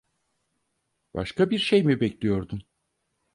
Başka şey mi bekliyordun?